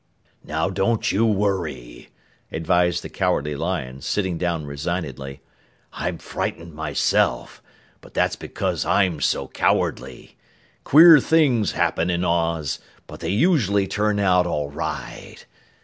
"Now don't you worry," advised the Cowardly Lion, sitting down resignedly. "I'm frightened myself, but that's because I'm so cowardly. Queer things happen in Oz, but they usually turn out all right.